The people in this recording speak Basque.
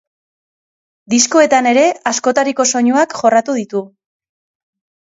Diskoetan ere askotariko soinuak jorratu ditu.